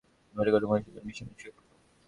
ঘরে এসে মধুসূদন বিছানায় শুয়ে পড়ল।